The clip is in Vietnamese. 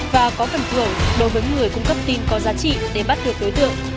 và có phần thưởng đối với người cung cấp tin có giá trị để bắt được đối tượng